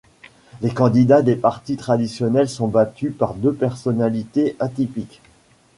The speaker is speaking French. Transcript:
Les candidats des partis traditionnels sont battus par deux personnalités atypiques.